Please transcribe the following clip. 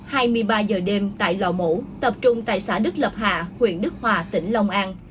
hai mươi ba giờ đêm tại lò mổ tập trung tại xã đức lập hạ huyện đức hòa tỉnh long an